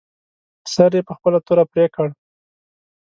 سر یې په خپله توره پرې کړ.